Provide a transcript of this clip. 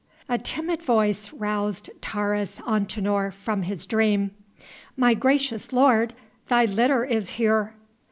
A timid voice roused Taurus Antinor from his dream: "My gracious lord, thy litter is here!"